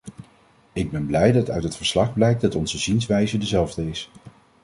Ik ben blij dat uit het verslag blijkt dat onze zienswijze dezelfde is.